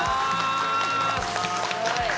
すごい。